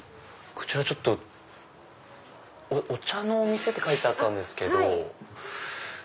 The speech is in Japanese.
こちらお茶のお店って書いてあったんですけど。